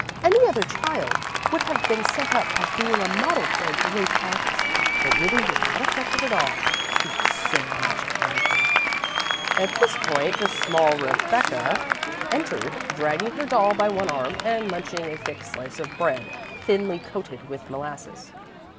Any other child would have been set up at being a model for a great artist, but Willie was not affected at all. He has so much character!" At this point the small Rebecca entered, dragging her doll by one arm, and munching a thick slice of bread, thinly coated with molasses.